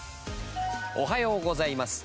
おはようございます。